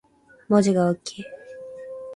文字が大きい